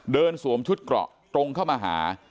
สวมชุดเกราะตรงเข้ามาหา